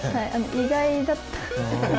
意外だった。